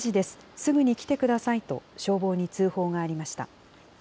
すぐに来てくださいと消防に通報がありました。